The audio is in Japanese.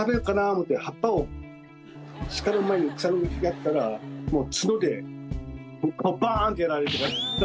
思うて葉っぱをシカの前にやったらもう角でバーン！！ってやられて。